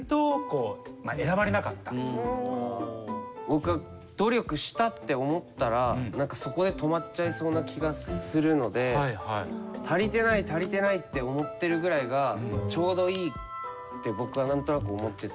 僕は努力したって思ったら何かそこで止まっちゃいそうな気がするので足りてない足りてないって思ってるぐらいがちょうどいいって僕は何となく思ってて。